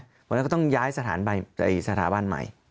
เพราะฉะนั้นก็ต้องย้ายสถาบันใหม่